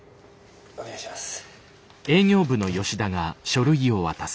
お願いします。